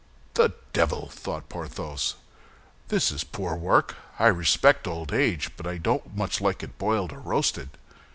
"The devil!" thought Porthos, "this is poor work. I respect old age, but I don't much like it boiled or roasted."